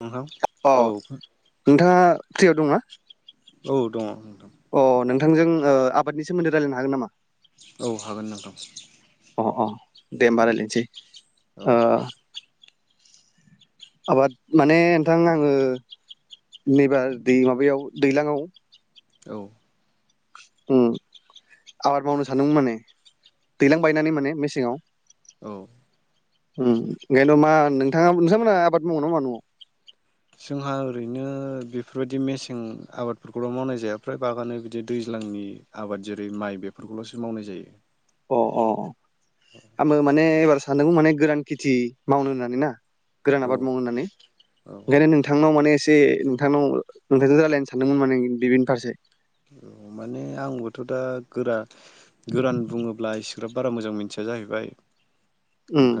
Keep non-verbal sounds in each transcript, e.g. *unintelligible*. औ अ *inaudible* नोंथाङा फ्रियाव दंना? औ दङ। अ नोंथांजों ओ आबादनि सोमोन्दै रायलायनो हागोन नामा? औ हागोन नोंथां। अ अ दे होमबा रायलायनोसै। औ ओ। आबाद माने नोंथां आङो नैबार दै माबायाव दैलाङाव औ। उम आबाद मावनो सानदोंमोन माने दैलां बायनानै माने मेसेङाव ‌। औ। उम ओंखायनोथ' मा नोंथाङा नोंथांमोनहा आबाद मावो ना मावा न'आव? जोंहा ओरैनो बेफोरबायदि मेसें आबादफोरखौल' मावनाय जाया फ्राय बागानो बिदि दैज्लांनि आबाद जेरै माइ बेफोरखौल'सो मावनाय जायो । अ अ। आंबो माने ए। सानदोंमोन माने गोरान खेथि मावनो होननानै ना। गोरान औ आबाद मावनो होननानै औ ओंखायनो नोंथांनाव माने। एसे नोंथांनाव नोंथांजों रायज्लायनो सानदोंमोन माने बिबिनि फारसे। औ माने आंबोथ दा गोरा गोरान बुङोब्ला इसेग्राब बारा मोजां मिथिया जाहैबाय। उम।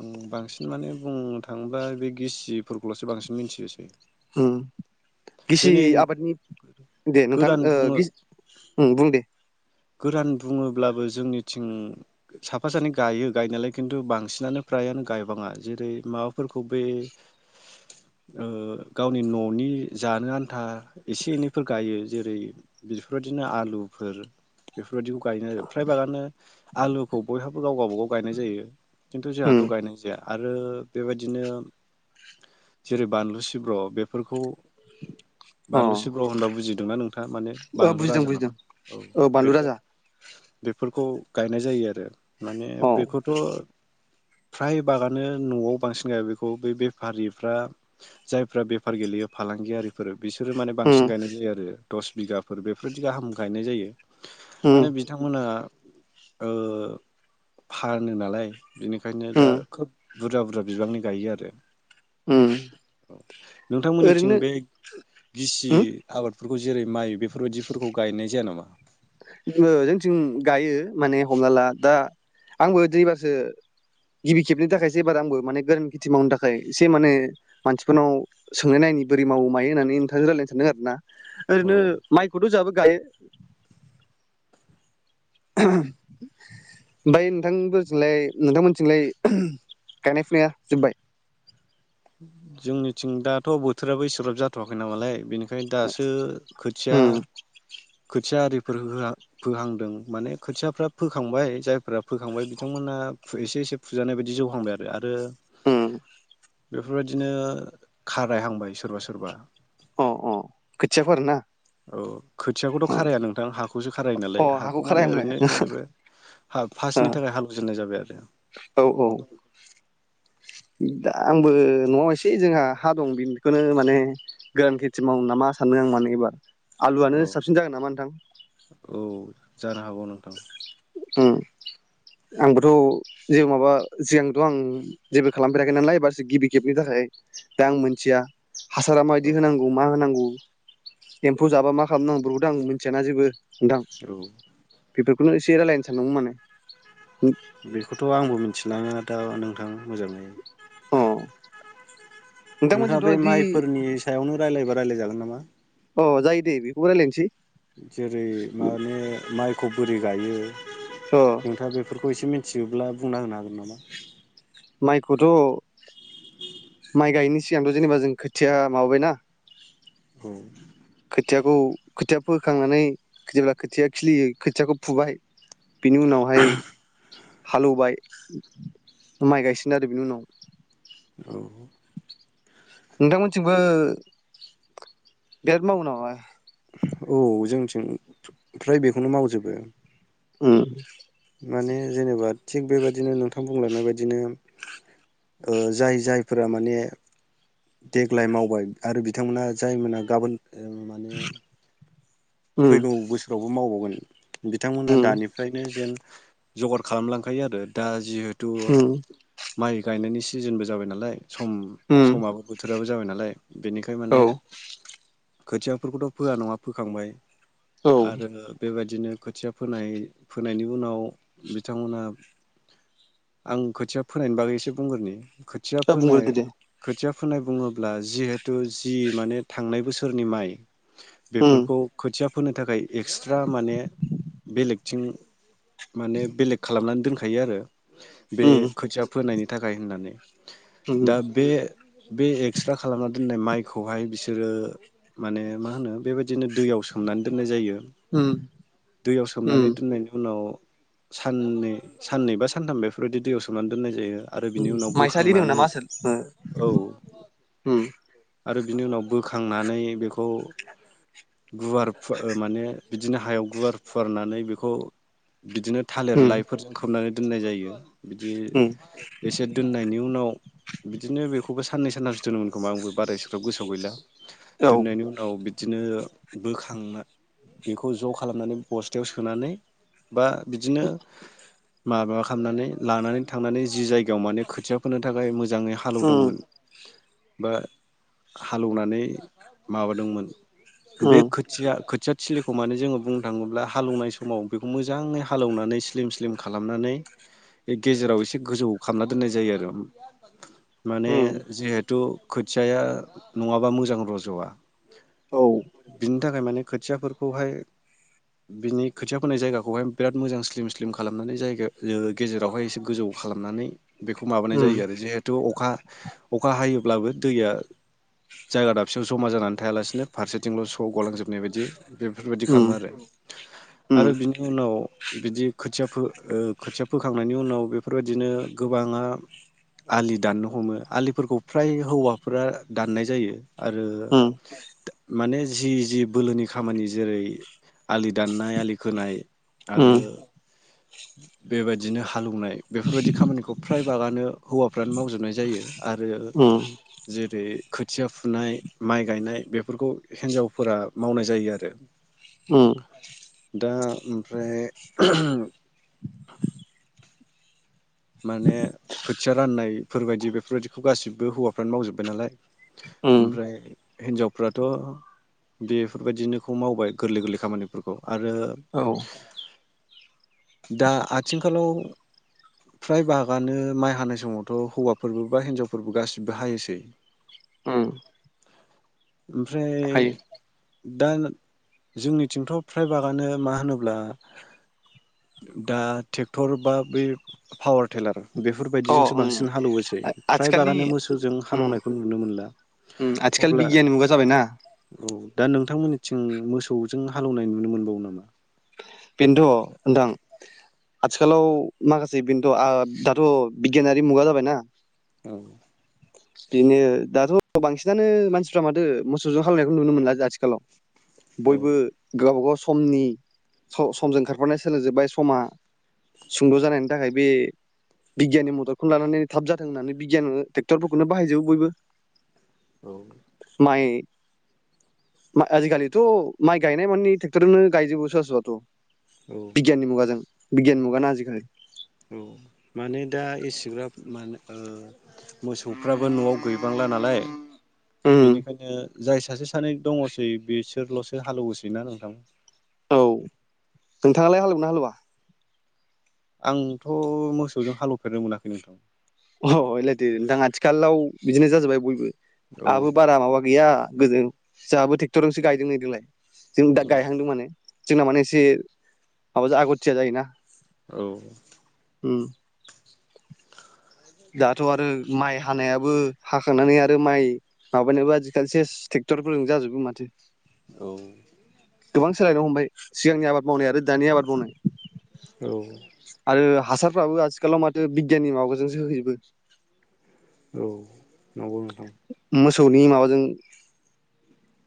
औ बांसिन माने बुंनो थाङोबा बे गिसिफोरखौल'सो बांसिन मिथियोसै। उम गिसि जेनै आबादनि दे नोंथा गोरान ओ बुङो गि उम बुं दे गोरान बुङोब्लाबो जोंनिथिं साफा सानै गायो गायनायालाय खिन्थु बांसिनानो फ्रायानो गायबाङा जेरै माबाफोरखौ बे ओ गावनि न'नि जानो आन्था एसे एनैफोर गायो जेरै बेफोरबायदिनो आलुफोर बेफोरबायदिखौ गायनो आरो फ्राय बारानो आलुखौ बयहाबो गाव गावबागाव गायनाय जायो। खिन्थु जोंहाथ' उम गायनाय जाया । आरो बेबायदिनो जेरै बानलु सिब्र बेफोरखौ अ बानलु सिब्र होनबा बुजिदोंना नोंथाङा? माने ओ बानलु बुजिदों राजा बुजिदों नामा औ। ओ बानलु बेखौ राजा बेफोरखौ गायनाय जायो आरो। माने औ बेखौथ' फ्राय बागानो न'आव बांसिन गाया बेखौ, बे बेफारिफ्रा जायफ्रा बेफार गेलेयो फालांगियारिफोर बिसोरो माने बांसिन उम गायनाय जायो आरो। दस बिगाफोर बेफोरदि गाहाम गायनाय जायो। उम माने बिथांमोना ओ फानो नालाय बिनिखायनो दा उम खोब बुरजा बुरजा बिबांनि गायो आरो। उम नोंथांमोननिथिं ओरैनो बे गिसि उम आबाद बेफोरखौ जेरै माइ बेफोरबायदिफोरखौ गायनाय जाया नामा? ओ जोंथिं गायो माने हमना ला दा आंबो दैबारसो गिबि खेबनि थाखायसो एबार आंबो माने गोरान खेथि मावनो थाखाय एसे माने मानसिफोरनाव सोंनाय नायनि बोरै मावो मायो होननानै नोंथांजों रायलायनो सानदों आरो ना। अ ओरैनो माइखौथ' जाहाबो गायो। ओफाय नोंथांबोजोंलाय नोंथांमोनथिंलाय गायनाय फुनाया जोब्बाय? जोंनिथिं दाथ' बोथोराबो इसोग्राब जाथ'वाखै नामालाय बेनिखा ओंखायनो दासो खोथिया उम खोथिया आरिफोर फोहां-फोहांदों माने खोथियाफ्रा फोखांबाय, जायफ्रा फोखांबाय बिथांमोना एसे एसे फुजानाय बायदि जौहांबाय आरो। आरो ओम। बेफोरबायदिनो खारायहांबाय सोरबा सोरबा अ अ खोथियाफोर ना औ खोथियाखौथ' खाराया नोंथां हाखौसो खारायो अ नालाय हाखौ माने खारायहांबाय ओरैनो जेनेबा हा फास्टनि थाखाय हालेवजेननाय जाबाय आरो। औ औ दा आंबो न'आव एसे जोंहा हा दं बेखौनो माने गोरान खेथि मावनो नामा सानदों आं माने एबार। आलुआनो औ साबसिन जागोन नामा नोंथां? औ जानो हागौ नोंथां आंबोथ जेबो माबा सिगांथ आं जेबो खालामफेराखै नालाय एबासो गिबि खेबनि थाखाय दा आं मोनथिया हासारा औ माबायदि होनांगौ मा होनांगौ एम्फौ जाबा मा खालामनांगौ बेफोरखौथ आं मिथियाना जेबो दां औ बे एस रायलायनो सानदोंमोन माने बेखौथ' आंबो मिथि लाङा दा नोंथां मोजाङै अ नोंथाङा नोंथांमोनजोंथ' बे बिदि माइफोरनि सायावनो रायलायबा रायलायजागोन नामा अ जायो दे बेखौबो रायलायनोसै जेरै माने माइ खौ बोरै गायो अ हेंथा बेफोर खौ एसे मिथियोब्ला बुंना होनो हागोन नामा माइखौथ' माइ गायनायनि सिगांथ जेनेबा जों खोथिया माबाबायना औ खोथियाखौ खोथिया फोखांनानै जेब्ला खोथियाआ खिलियो खोथियाखौ फुबाय बिनि उनावहाय हालेवबाय माइ गायसिगोन आरो बेनि उनाव *inaudible* नोंथांमोननिथिंबो बिराद मावो नामा औ जोंनिथिं फ्राय बेखौनो मावजोबो ओ माने जेनेबा थिग बेबायदिनो नोंथां बुंलांनाय बायदिनो जाय जायफोरा माने देगलाय मावबाय आरो बिथांमोना जायमोना गाबोन ओ माने *inaudible* *unintelligible* फैगौ बोसोरावबो मावबावगोन बिथांमोनहा उम दानिफ्रायनो जेन जगार खालामलांखायो आरो दा जिहे द' उम माइ गायनायनि सिजोनबो जाबाय नालाय सम उम समाबो बोथोर फ्राबो जाबाय नालाय बेनिखाय औ माने खोथियाफोरखौथ' फोआ नंङा फोखांबाय। औ आरो बेबायद बिदिनो खोथिया फोनाय फोनायनि उनाव बिथांमोनहा आं खोथिया फोनायनि बागै एसे बुंग्रोनि। खोथिया दा फोनाय बुंग्रोदो दे खोथिया फोनाय बुङोब्ला जिहेथ तु जि माने थांनाय बोसो फोरनि माइ उम बेफोरखौ खोथिया फोनो थाखाय एक्सट्रा माने बेलेगथिं माने बेलेग खालामनानै दोनखायो आरो बे उम खोथिया फोनायनि थाखाय होननानै। उम दा बे बे एक्स्रा खालामना दोन्नाय माइखौहाय बिसोरो माने मा होनो बेबायदिनो सोमनानै दोननाय जायो। उम दैयाव सोमनानै उम दोननायनि उनाव साननै साननै बा सानथाम बेफोरबायदि दैयाव सोमनानै दोननाय जायो। आरो होम बिनि उनाव माइसालि होनोमोन बोखांनानै नामा आसोल औ हो होम। आरो बिनि उनाव बोखांनानै बेखौ गुवार फुवा माने बिदिनो हायाव गुवार फुवारनानै बेखौ बिदिनो थालिर उम लाइफोरजों खोबनानै दोननाय जायो। बिदि उम एसे दोननायनि उनाव बिदिनो बेखौ खौबो सान्नै सान्थामसो दोनोमोन खोमा आंबो बारायसो गोसोआव गैला औ दोननायनि उनाव बिद बिदिनो बोखांना बेखौ ज' खालामनानै बस्थायाव सोनानै बा बिदिनो माबा खालामनानै लानानै थांनानै जि जायगायाव माने खोथिया फोनो थाखाय मोज मोजाङै उम हालौदोंमोन। बा हालौनानै माबादोंमोन। बे उम खोथिया खोथिया थिलिखौ माने जोङो बुंनो थाङोब्ला हालौवनाय समाव बेखौ मोजाङै हालेवनानै स्लिम स्लिम खालामनानै गेजेराव एसे गोजौ खामना दोननाय जायो आरो माने उम जिहेथु खोथियाया नङाबा मोजां रज'आ। औ। बिनि थाखाय माने खोथियाफोरखौहाय बिनि खोथिया फोनाय जायगाखौहाय बिराद मोजां स्लिम स्लिम खालामनानै जायगा गेजेरावहाय एसे गोजौ खालामनानै बेखौ माबानाय उम उम जायो आरो जिहेथु अखा अखा हायोब्लाबो दैया जायगा दाबसेयाव जमा जानानै थायालासिनो फारसेथि थिंल' स' गलांजोबनाय बायदि बेफोरबायदि खामो आरो आरो बिनि उनाव बिदि खोथिया फो ओ खोथिया फोखांनायनि उनाव बेफोरबायदिनो गोबाङा आलि दाननो हमो आलिफोरखौ फ्राय हौवाफोरा दाननाय जायो आरो माने जि जि बोलोनि खामानि जेरै आलि दाननाय आलि खोनाय उम आरो बेबायदिनो हा हालौवनाय बेफोरबायदि खामानिखौ फ्राय बागानो हौवाफ्रानो मावजोबनाय जायो आरो उम जेरै खोथिया फुनाय माइ गायनाय बेफोरखौ हिन्जावफोरा मावनाय जायो आरो। उम दा ओमफ्राय माने खोथिया राननायफोरबायदि बेफोरबायदिखौ गासिब बे हौवाफ्रानो मावजोब्बाय नालाय उम ओमफ्राय हिनजावफ्राथ' बेफोरबायदिनोखौ मावबाय गोरलै गोरलै खामानिफोरखौ आरो औ दा आथिंखालाव फ्राय बागआनो माइ हानाय समावथ' हौवाफोरबो बा हिनजावफोरबो गासिबो हायोसै उम ओमफ्राय हायो दा जोंनिथिंथ' फ्रायभागानो मा होनोब्ला दा ट्रेक्टर बा बे पावार टेलार अ बेफोरबायदिजोंसो उम बांसिन हालौवोसै फ्राय आथिखालनि बागान मोसौजों उम हालेवनायखौ नुनो मोनला उम आथिखाल अब्ला बिगियाननि मुगा जाबायना औ दा नोंथांमोननिथिं मोसौजों हालौवनाय नुनो मोनबावो नामा? बेनथ' नोंथां आथिखालाव माखासे बेनथ' ओ दाथ' बिगियानारि मुगा जाबायना औ बेनो दाथ' बांसिनानो मानसिफ्रा माथो मोसौजों खालामनायखौ नुनो मोनला आथिखालाव बयबो औ गावब गाव समनि स-समजों खारफानाय सोलोंजोबबाय समा सुंद' जानायनि थाखाय बे बिगियाननि मददखौनो लानानै थाब जाथों होननानै बिगियानाव ट्रेक्टरफोरखौनो बाहायजोबो बयबो । औ । माइ आजिखालिथ' माइ गायनाय मानानि ट्रेक्टरनो गायजोबो स स औ बिगियाननि मुगाजों बिगियाननि मुगानो आजिखालि । औ माने दा एसेग्राब माने ओ मोसौफ्राबो न'आव गैबांला नालाय उम बेनिखायनो जाय सासे सानै दङसै बिसोरल'सो हालेवोसै ना नोंथां औ नोंथाङालाय हालेवगोनना हालुवा आंथ' मोसौजों हालौफेरनो मोनाखै नोंथां अ ओयलायथो नोंथां आथिखालाव बिदिनो जाजोबाय बयबो औ आहाबो बारा माबा गैया गोजों जाहाबो ट्रेक्टरजोंसो गायदों नै देग्लाय जों दा औ गायहांदों माने जोंना माने एसे माबाजों आगथिया जायोना औ उम दाथ' आरो माइ हानायाबो हाखांनानै आरो माइ माबानायाबो आजिखालि सेस ट्रेक्टरफोरजों जाजोबो माथो औ गोबां सोलायनो हमबाय सिगांनि आबाद मावनाय आरो दानि आबाद मावनाय औ आरो हासारफ्राबो आथिखालाव माथो बिगियाननि माबाजोंसो होैजोबो औ नंगौ नोंथां मोसौनि माबाजों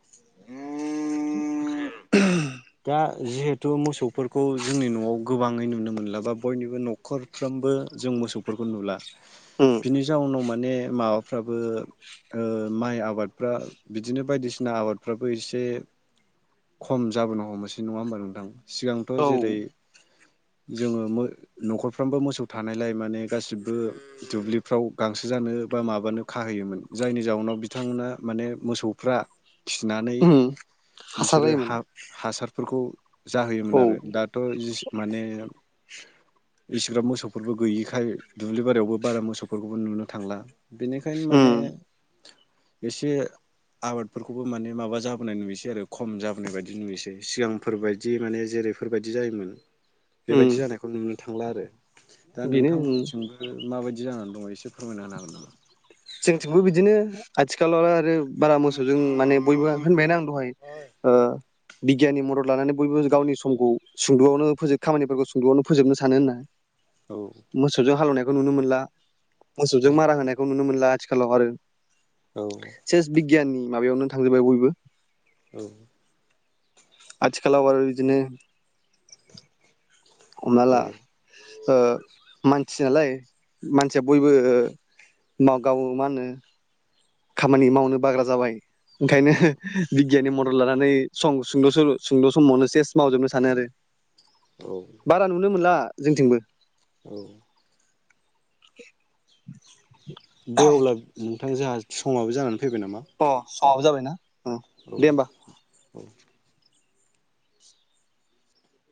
*unintelligible* *unintelligible* दा *unintelligible* जिहेथु मोसौफोरखौ जोंनि न'आव गोबाङै नुनो मोनला बा बयनिबो न'खरफ्रोमबो जों मोसौफोरखौ नुला उम बिनि जाउनाव मा ने माबाफ्राबो ओ माइ आबादफ्रा बिदिनो बायदिसिना आबादफ्राबो एसे खम जाबोनो हमनोसै नङा होमबा नोंथां सिगांथ' औ जेरै जोङो मो न'खरफ्रामबो मोसौ थानायलाय माने गासिबो दुब्लिफ्राव गांसो जानो बा माबानो खाहैयोमोन जायनि जाउनाव बिथांमोना माने मोसौफ्रा खिनानै उम हासार बिसोरो जायोमोन हा हासारफोरखौ जाहोयोमोन औ आरो दाथ' जिस माने इसिग्राब मोसौफोरबो गैयिखाय दुब्लि बारियावबो बारा मोसौफोरखौबो नुनो थांला बेनिखायनो माने उम एसे आबादफोरखौबो माने माबा जाबोनाय नुयौसै आरो खम जाबोनाय बायदि नुसै सिगांफोरबायदि माने जेरैफोरबायदि जायोमोन उम बेबायदि जानायखौ नुनो थांला आरो दा बेनो उम नोंथांमोननिथिंबो माबायदि जानानै दङ एसे फोरमायना होनो हागोन नामा जोंथिंबो बिदिनो। आथिखालाव आरो। बारा मोसौ जों माने बयबो होनबायना आं दहाय ओ बिगियाननि मदद। लानानै बयबो गावनि समखौ सुंद'आवनो फोजो खामानिफोरखौ सुंदुआवनो फोजोबनो सानो होना। मोसौजों हालेवनाय। बेखौ नुनो मोनला। मोसौजों मारा होनायखौ नुनो मोन। आथिखालाव आरो। औ सेस बिगियाननि। माबायावनो थांजोबबाय बयबो। औ। आथिखालाव ओरो बिदिनो। हमना औ ला ओ मानसि। थियो नालाय मानसिया बयबो ओ मा गावो मा होनो। खामानि मावनो बाग्रा जाबाय ओंखायनो बिगियाननि मदद लानानै स सुंद'सल सुंद' समावनो सेस मावजोबनो सानो आरो। बारा नुनो मोनला। जोंथिंबो। औ। *inaudible* दे अब्ला नों। नोंथां जोंहा समाबो जानानै। फैबाय नामा। हाव जाबायना। अ औ। दे होमबा औ।